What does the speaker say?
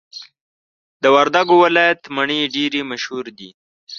د وردګو ولایت مڼي ډیري مشهور دي.